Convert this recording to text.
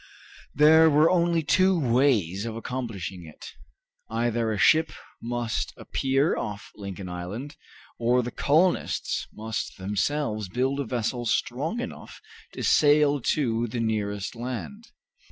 There were only two ways of accomplishing it either a ship must appear off Lincoln Island, or the colonists must themselves build a vessel strong enough to sail to the nearest land.